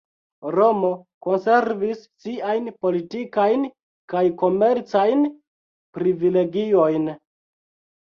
Romo konservis siajn politikajn kaj komercajn privilegiojn.